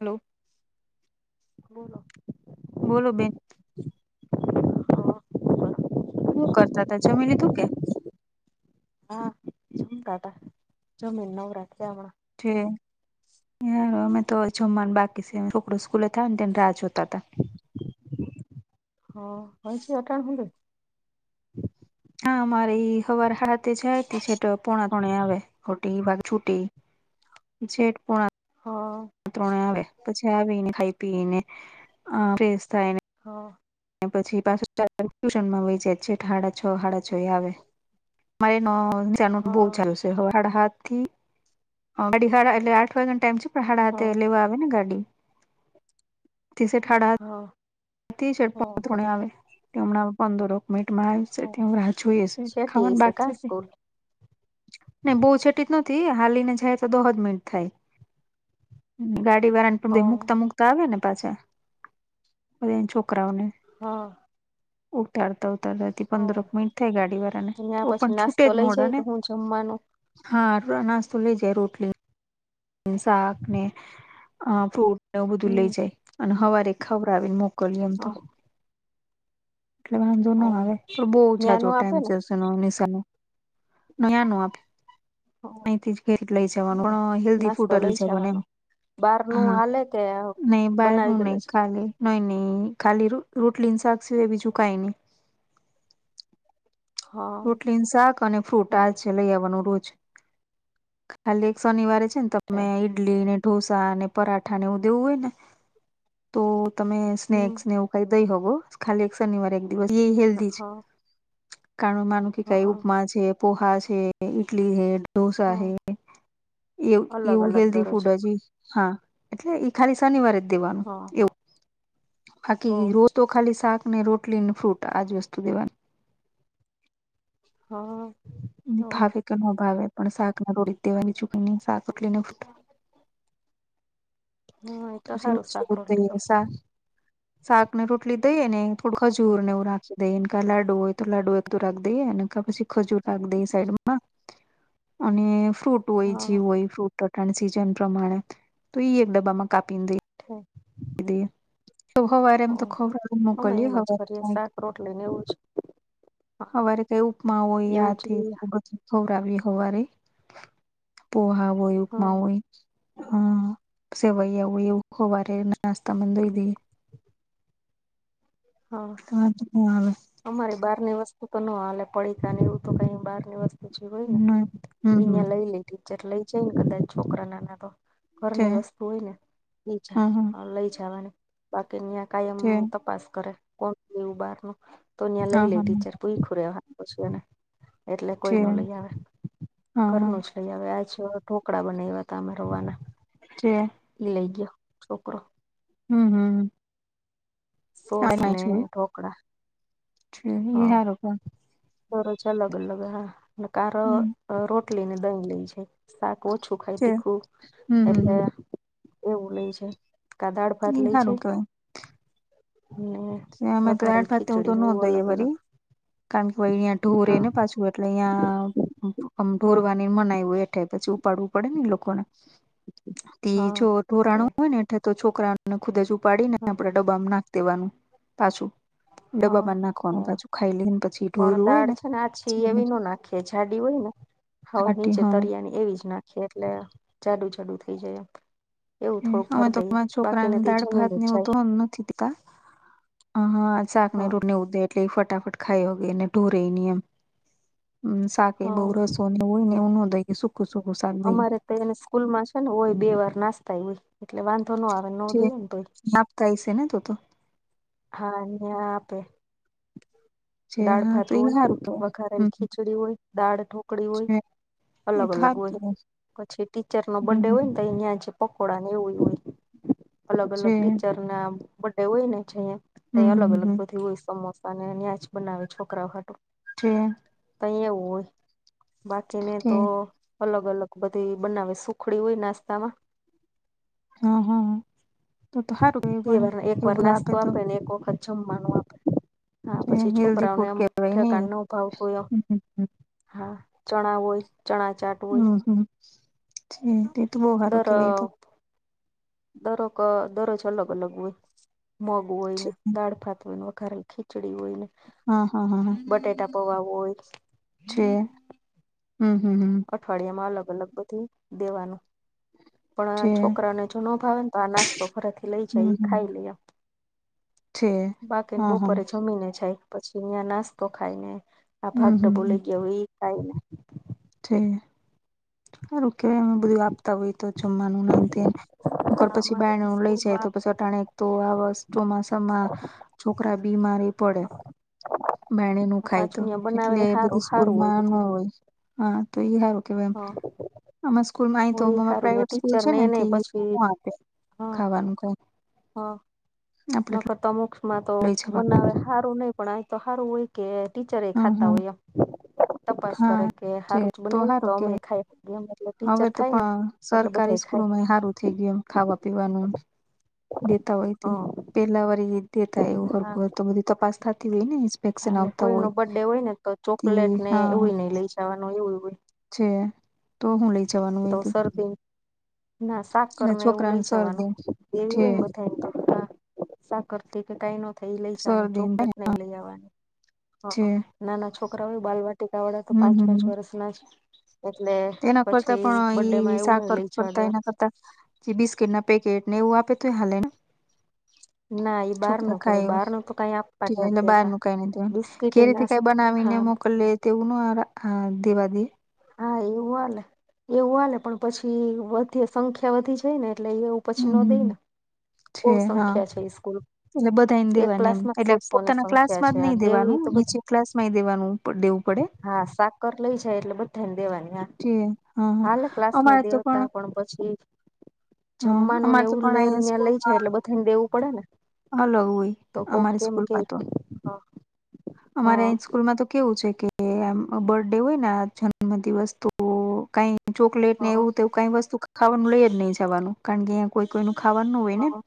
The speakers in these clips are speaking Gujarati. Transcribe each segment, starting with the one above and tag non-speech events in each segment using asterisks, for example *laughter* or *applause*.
હલો. બોલો. બોલો બેન? શું કરતા હતા જમી લીધું કે? હા જમ ટાટા જમીના રાખ્યામણા યારં તો છમન બાકી છે છોકડ સ્કૂલે આવેને તેની રાહ જોતા હતા. હ હોજી અટાણ ખુલે હા મારે હવાર હાથે જાય ત છેટ પોણા કોણે આવે. છ ભાગ છુટી ઝેઠ પો હા. માત્રોને આવે પછી આવીને ખાઈ પીને ફેસ થાયને- - હ. પછી પાછ ચ ટ્યુશનમાં વય જાય છેઠ હાડા છો હાડા છો એ આવે. મારે ન હ બ ચાલુવે સાડા હાત થી અઢ એટલે આઠ વાગ્યાનો ટાઈમ છે. હાડા હ હ આઠ લેવા આવે ને ગાડી. કસે ઠાડા હ શપ થોવે કેમ ના પાંદો રોક મમાં આવશે હ ત્યાં રાહ જોઈશે છેટી ખાવાનું હશે બાાગ કા છે. સ્કૂલ નઈ બહુ છેેટી જ નતી હાલીને જાય તો દો જ મિનટ થાય. ગાડી વાળા ને હ પણધ મુકતા મુકતા આવે ને પાછા બધ છોકરાઓને. હા. ઉતર. તથી પંદરક મિનિટ થાય ગાડી વાળા ને ત્યાં તો પછી પણ નાસ્તો છૂટે જ લઈ જાય મોડા કે ને. હું જમવાનું હા નાસ્તો લઈ જાય રોટલી. સાક ને અ ફૂટ એવું બધું હમ લઈ જાય અને હવારે ખાવડાવીને મોકલી એમ તો. એટલે વાંધો ના આવે પણ બહુ ન્યા જાજો નો આપે ટાઈમ ને છેશેનો નિશનો. નાનું આપે અથી જ લઈ જવાનું પણ હેલઘી નાસ્તો લઈ જવાનો બાર નું હાલે કે ને બાર નુ બનાવી દેલો ની છે ખાઇ. ા નહી નઈ ખાલી રોટલી શાક સિવાય બીજુકાય નહી. હા રોટલીની શાક અને ફ્રૂટ હ આ છે લઈ આવવાનું રોજ ખાલી એક શનિવારે છે ને. તમે ઈડલી ને ઢોસા અનેને પરાઠા ને એવું દેવું હોય ને તો તમે હમ સ્નક્સ નેવું કઈ દઈ હોવો ખાલી એક શનિવાર એક દિવસ હેલ્દીી જ હા કારણ માનું કે કઈ હા ઉપમા છે પોહા છે ઈડલી છે. દોસા હ હા એવ અલગ એવું અલગ હેલ્દી દરરોજ ફૂડજી હા એટલે ખાલી શનિવારે જ દેવાનું. હા એવું બાકી હોય રોજ તો ખાલી શાક ને રોટલી ને ફ્રૂટ આજ વસ્તુ દેવાની. હા. હા ભાવે કે ન ભાવે પણાક ના રોડી દેવાની ચૂકણી નહી શા એટલીને. એ તો સારું શાક પછીવ રોટલી તો દઈએ શાક શાક ને રોટલી દઈએ ને થોડુંક જર ને એવું નાખી. દઈને ક લાડુ હોય તો લાડુ એકું રાખ દે એ પછી ખજૂર રાખ દે સાઈડમાં અને ફ્રૂટ હોય હા જીવ હોય ફ્રૂટ તટાણ સિઝન પ્રમાણે તો એ ડબામાં કપીંદે હા દ સોમવારે એમ તો ખરા અમે મોકલીએ એમ જ હવે કરીએ થ. શાક રોટલી ને એવું જ હા હવારે કઈ ઉપમા હોય એવું જ આથી બધું. સવરાવીી સવારે પોહા હોય હા ઉપમા હોય. હમ સવાય એવું એવું હોવા ર નાસ્તા મંદઈ દ હા સાજ ખલ અમારી બહારની વસ્તુ તો ના હાલે પડીકા ને એવું તો કઈ બાર ની વસ્તુ પછી હોય ને ના. હમ હમ અયા લઈ લે ટીચર લઈ જાય ને કદાચ છોકરા નાના તો છે ઘરની વસ્તુ હોય ને લઈ જ હા હા લઈ જવાની. બાકીની્યાં કાયમ છે તપાસ કરે કોણ બાર નું તો અ્યાં લઈ હા લે હા ટીચર તુઈખું રેવા છેને એટલે કોઈ છે ન લઈ આવે હા હા ઘરનું જ પ હવે આ છે, ઢોકળા બનાવ્યા તમે રવાના જ એ લઈ ગયો છોકરો હમ, હમ સોસને ઢોકળા હ રો પણ દરજ અલગ અલગ હા કારો હમ રોટલી ને દહીં લે છે. શાક ઓછું ખાય છે તીખું. હમ એટલે હમ એવું લે છે. કાદાળ ભાત એ લે છે. સારું કેવાય હમ અમે તો આડ ફાવું તો ન દઈએ ભરી કારણ કે ભ અહં ઢોરે હા ને પાછું એટલે અહિયાંમ હા ઢોરવાની મનાય હો એ. પછી ઉપાડવું પડે ને લોકોને તે હા જો તે ધઢોરાણું હોય ને એ તો છોકરા ખુદે જ ઉપાડીને હા આપડા ડબ્બામાં નાખ દેવાનું પાછું હા ડબ્બામાં નાખવાનું હા પાછું ખાઈ લઈને પછી ઢોરું હોય ને. કે જાડી હોય ને હઉ ખાટી નીચે હા તરિયાની એવી જ નાખ એટલે જાડુ જાડુ થઈ જાય. એવું થોડુંક અમે ભર દઈએ તોરા બાકી છોકરાને નથી દાળ જમીન ભાત જ ને એવું તો જાય નથીતા. હ, હા શાક હા રૂટની ઉધે એટલે ફટાફટ ખાઈગઈને ઢોરે ની એમ શાક એ બહ હા રસો. ઓહી નને ઓું કે સુકું, સુકું સકઈ. ને સ્કૂલ માં છે ને, હોય બે વાર નાસ્તાય હોય એટલે વાંધો ન આવે. ન દઈએ ને તોય નાપતા હ છે ને તો, તો હા ન્યા આપે જે દાળ હા તો ભાત એ હોય હારું કેવાય. વખારેલ હમ ખીચડી હોય દાળ ઢોકળી હોય. એ અલગ તો અલગ હારું હોય કેવાય પછી ટીચરનોો હમ બર્ડે હોય હમ ને તો અ્યાં જ પકોડા ને એવું હોય અલગ જે અલગ ટીચર ના બે હોય ને છે. અહં ત હમ અલગ હમ અલગ હમ બધી હોય સમોસાને ન્યાંજ બનાવે છોકરાઓટું ટ્રેન તહી એવું હોય બાકીને તો અલગ અલગ બધી બનાવે સુખડી હોય નાસ્તામાં હા, હા, હ બે વાર એક વાર બધું નાસ્તો તો આપે ને એક વખત જમવાનું આપે હા પછી હેલ્ધી છોકરાઓને ફૂડ એમ કેવાય નહી. ઠેકાણ ન ભાવતું એ હા ચણા હોય ચણા ચાટ હોય હમ, હમ છે. એ તો બહ સારું કેવાય તો દરક દરરોજ અલગ અલગ હોય મગ હોય, ને દાળ ભાત હોયને વઘારે ખીચ ખચડી હોય ને હા હા હા હા બટેાટા પવા હોય છે હમ, હમ, હમ અઠવાડિયામાં અલગ અલગ બધી દેવાનું પણ છે છોકરાને જો નોભાવે તો આ નાસ્તો ઘરેથી લઈ હમ જઈ હમ ખાઈ લયા છે બાકીને, હા હા બપોરે જમીને જાય પછી ત્યાં નાસ્તો ખાય ને. આ હમ ભાગ તો હમ બોલે ગયા હોય થાયને હારું કેવાય અમે બધું આપતા હોય તો જમવાનું ને એમ તેમ પછી અમારે તો બાયનેું લઈ જાય તો સ્કૂલમાં પછી ટાણે એક તો આ વસ્તુ માસમાં છોકરા બીમારી પડે બેણી ખાય તો પાછું ત્યાં બનાવે એટલે સારું બધી સારું સ્કૂલમાં ન બધું હોય હા તો હારું કેવાય હ આમા સ્કૂલમાં અહીં તો હોય એ અમાર સારું પ્રાઈવેટ સ્કૂલ ટીચર છે ને નહ થી નો પછી આપે હ *unintelligible* હા આપડે નકરતા મોક્ષમાં તો લઈ જવાનું બનાવે સારું નહી પણ અહીં તો હારું હોય કે ટીચર એ હમ ખાતા હમ હોય એમ તપાસ કરે હા કે હારું જ બનાયુ તો સારું કે અમે ખાઈ એ મતલબ હવે તો પણ સરકારી સ્કૂલોમાં સારું થઈ ગય એમ ખાવા પીવાનું દેતા હોય તે હ પેલા વરી તેતા એવું હા હરર તો બધી તપાસ થતી હોય ને ઇન્સ્પેક્શન અને આવતા કોઈ નો હોય બર્થડે હોય ને તો તે ચોકલેટ ને હા એવું નહી લઈ જવાનું એવું હોય છે તો હું લઈ જવાનું હોય તો તે. સરદી ના સાકર એટલે ને એવું છોકરાને લઈ જવાનું શરદી એવી છે હોય બદયને તો સાકરથીઈ કે કઈ ન થાય લઈ જવાનું શરદી ને ચોકલેટ નહીં લઈ આવવાની છે હ નાના છોકરાઓય બાલવાટિકા વાળા તો હમ પાંચ પાંચ હમ વર્ષ ના જ એટલે એના કરતા પછી પણ બર્ડે ઈ માં એવું નઈ સાકર લઈ જવા કરતા દેવા એના કરતા જે બિસ્કીટ ના પેકેટ ને એવુ આપે તો હલેે ને ના એ બહાર છોકરા નું કેવાય ખાય બહાર નું તો કઈ આપવા જ નથી એટલે બહાર દેતા નું કઈ નથ દેવાનુ બિસ્કીટ ઘેર ના થી કઈ બનાવીને હા મોકલ લે તેવું નહી દેવા દે હા એવું હલે એવું હલે પણ પછી વધી સંખ્યા વધી જાય ને એટલે એવું પછી હમ ન હમ દઈને છે બહ હા સંખ્યા છે સ્કૂલ એટલે બધાને એક દેવાની ક્લાસ એમ માં એટલે સો સો ની પોતાના ક્લાસ સંખ્યા માં છે જ આ નઈ દેવી દેવાનું તો નીચે બધા ક્લાસમાંય દેવાનું દેવું પડે હા સાકર લઈ જાય એટલે બધા દેવાની જે હા હા હાલે ક્લાસમાં અમારે તો દેવતા પણ પછી હ જમવાનું ને અમારે તો એવું પણ અહીંયા લય લઈ જાય સ્કૂલમાં એટલે બધાને દેવું પડે ને અલગ હોય તો કોક અમારી કેમ કેય સ્કૂલમાં તો હ અમારે સ્કૂલમાં તો કેવું છે કે આમ બર્થ ડે હોય ને જન્મ દિવસ તો કઈ ચોકલેટ ને હા એવું તો કઈ વસ્તુ ખાવાનું લઈ જ નહી જવાનું. કારણ કે કોઈ કોઈ નુ ખાવાનું નો હોય ને. હા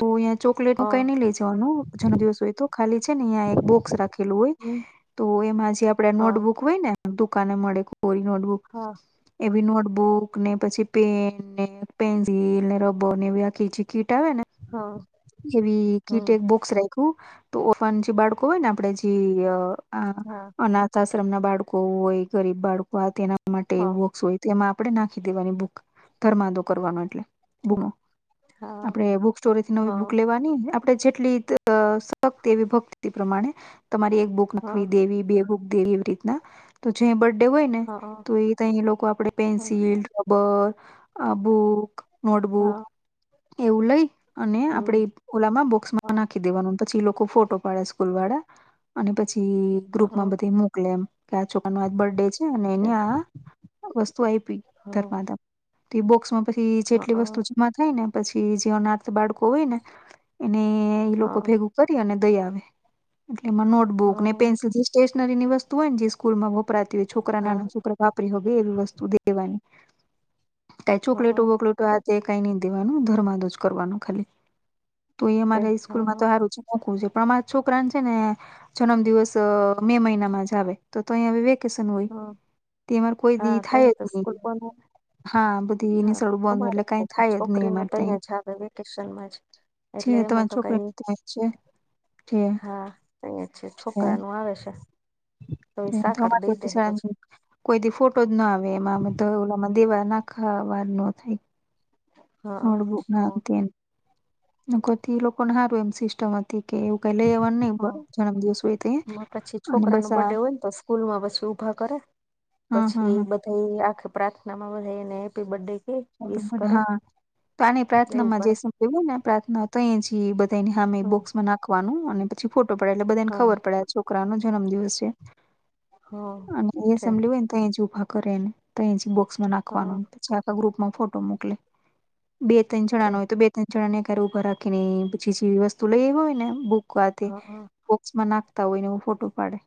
તો અહીંયા ચોકલેટ નું હા કઈ નઈ લઈ જવાનું. જન્મ દિવસ હોય તો ખાલી છે ને અયા એક બોક્સ રાખે રાખેલું હોય હમ તો એમાં જે આપડે હા નોટબુક હોય ને દુકાને મળે કોરી નોટબુક હા એવી નોટબુક ને પછી, પેન ને, પેન્સિલ ને, રબર ને એવી આ જે કીટ આવે ને હા એવી કીટક હમ એક બોક્સ રાખ્યું. તો ઓન જે બાળકો હોય ને આપડે હા અનાથ આશ્રમ ના બાળકો હોય, ગરીબ બાળકો તેના માટે હા એવું બોક્સ હોય તો એમાં આપણે નાખી દેવાની બુક ધરમાદો કરવાનો એટલે. બુનો હા આપણે બુક સ્ટોરેથી હા નવી બુક લેવાની આપડે જેટલી અ સક્ત એવી ભક્તિ પ્રમાણે તમારી એક બુક નાખવી હા દેવી બે બુક એવી રીતના તો જે બર્થડે હોય ને હા તો એ અ લોકો આપડે પેન્સિલ રબર આ બુક નોટબુક હા એવું લઈ અને આપડે હમ ઓલામાં બોક્સમાં હા નાખી દેવાનું પછી એ લોકો ફોટો પાડે સ્કૂલ વાળા અને પછી હા હા હા હા હા હા ગ્રુપમાં હા બધી મોકલે એમ. કે આ છોકરા ન આજ બર્થ ડે છે, અને એને આ વસ્તુ આપી હા ધર્માદા. તે બોક્સ માં પછી જેટલી વસ્તુ છે માં થાય ને પછી જીવનાર્થ બાળકો હોય ને એને એ લોકો ભેગું કરી અને દઈ આવે. એટલે એમાં નોટબુક ને પેન્સિલ જે સ્ટેશનરીની વસ્તુ હોય જે સ્કૂલમાં વપરાતી હોય છોકરા નાના છોકરા. વાપરી હો ગ એવી વસ્તુ દેવાની. કઈ ચોકલેટો વોકલેટો. તે કઈ નઈ દેવાનું ધર્માદ જ કરવાનું ખાલી તો એ અમારા સ્કૂલમાં તો સારું છે. મોખું છે પણ અમા છોકરાને છે ને. જન્મ દિવસ મે મહિનામાં જ આવે. તો તો અહીં હ વેકેશન હોય. હા તેમાંર કોઈ દી હા ત થાય જ તો સ્કૂલ નહી. બને હા બધી હા નિસળું બંધ અમારે એટલે કઈ થાય જ નહી છોકરી ન અમારે ત તં અયા. જ આવે વેકેશનમાં જ એટલે જે એમાં તમારી તો છોકરી કઈ છે. છે હા અહી છે છોકરાનું આવે છે. તો છે. સાકર અમારે તો દઈ. દે પછી કોઈ ફોટો જ ના આવે એમાંમે તો ઓલામાં દેવા નાખા વાર ન થાય. હા નોટબુક હા નાથી લોકોને સારું એમ સિસ્ટમ હતી કે. ક લઈ જવાનું નહ હા જન્મદિવસ હોય ત પછી અને છોકરા બસ નો આ. બર્ડે હોય ને તો સ્કૂલ માં પછી ઊભા કરે હા હા. પછી બધા આખે પ્રાર્થના માં બધ હેપી બર્થડે કે. વિસ બ કરે હા તો આની એવું પ્રાર્થનામાં કરે જે સમવું ને પ્રાર્થના તો એ જ બધ. તે એને સામે હા બોક્સમાં નાખવાનું અને પછી ફોટો પડ્યા એટલે બધાને ખબર પડે છોકરાનો જન્મદિવસ છે. હા છે. તહી જ ઊભા કરેને તો જ બોક્સમાં હા નાખવાનું પછી આખા ગ્રુપમાં ફોટો મોકલે. બે ત્રણ જણા છે હોય તો બે ત્રણ જણા ને ક્યારે ઊભા રાખીને પછી જે વસ્તુ લઈ એ હોય ને બુક. આ હા હા બોક્સમાં નાખતા હોય ને ફોટો પાડે.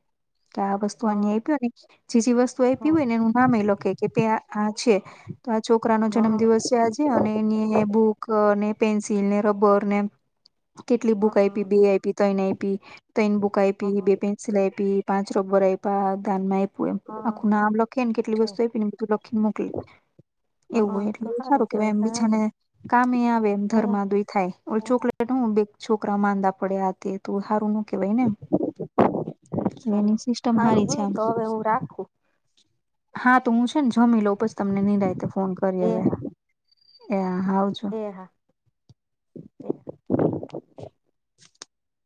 કે આ વસ્તુ આ હા આપ્યો ને. જે જે વસ્તુ આપી હોય ને એનું નામ એ લખે. કે પ આ છે તો આ. જન્મ હા દિવસ છે આજે અને એની બુક અને પેન્સિલ ને રબર ને. કેટલી બુક હા આપી બે આપી તને આપી તને બુક હા આપી બે પેન્સિલ આપી. પાં રબર આઈપ દાનમાં પ એમ હા આખું ના લખીણ કેટલી છે વસ્ત પીને તું લખીણ મોકલી. એવું હા હોય તો એટલે સારું કે કેવાય એમ હા બીજાને કામ આવે એમ હા ધર્માદય થાય. ચોક. બે છોકરા માંદા પડ્યા હતા તું સારું ન. કે ભાઈ ને હાલો એની સિસ્ટમ સારું સારી છે હ આમ. તો હવે હું રાખું હા તો હું છે ને જમી લોઉ જ તમને નિરાતે ફોન કરી. એ હવે હા એ આવજો. હ *unintelligible* *inaudible*